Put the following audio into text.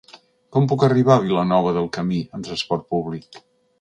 Com puc arribar a Vilanova del Camí amb trasport públic?